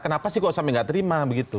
kenapa sih kok sampai nggak terima begitu